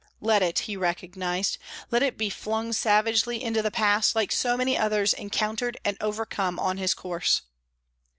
Let it he recognized; let it be flung savagely into the past, like so many others encountered and overcome on his course.